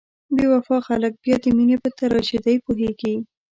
بې وفا خلک بیا د مینې په تراژیدۍ پوهیږي.